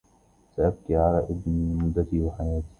سأبكي على ابني مدتي وحياتي